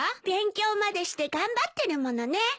勉強までして頑張ってるものね。